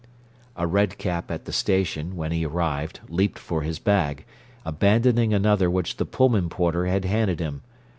A red cap at the station, when he arrived, leaped for his bag, abandoning another which the Pullman porter had handed him.